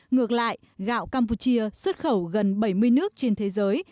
ngược lại gạo campuchia xuất khẩu gần bảy mươi nước trên thế giới